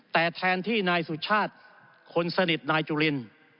แต่แทนที่นายสุชาติคนสนิทนายจุลิน